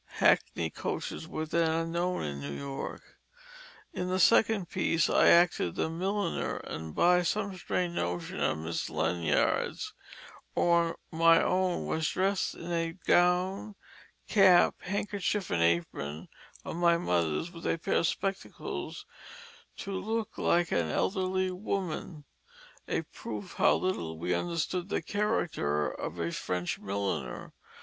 Hackney coaches were then unknown in New York. In the second piece I acted the milliner and by some strange notion of Miss Ledyard's or my own was dressed in a gown, cap, handkerchief and apron of my mother's, with a pair of spectacles to look like an elderly woman a proof how little we understood the character of a French milliner.